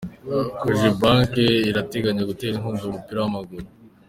Kojebanke irateganya gutera inkunga umupira w’amaguru